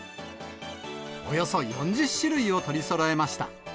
およそ４０種類を取りそろえました。